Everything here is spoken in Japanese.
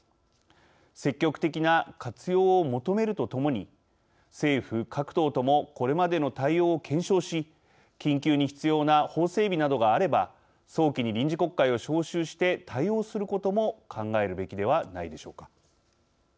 積極的な活用を求めるとともに政府、各党ともこれまでの対応を検証し緊急に必要な法整備などがあれば早期に臨時国会を召集して対応することも考えるべきではないでしょうか。